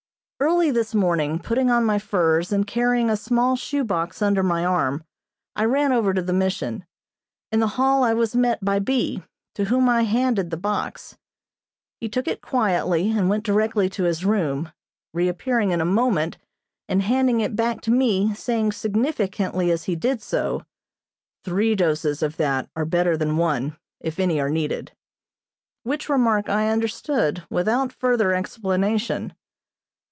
Early this morning, putting on my furs and carrying a small shoe box under my arm, I ran over to the Mission. In the hall I was met by B., to whom I handed the box. He took it quietly and went directly to his room, reappearing in a moment and handing it back to me, saying significantly as he did so: "Three doses of that are better than one, if any are needed," which remark I understood without further explanation.